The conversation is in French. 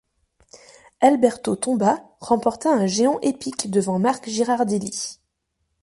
Alberto Tomba remporta un géant épique devant Marc Girardelli.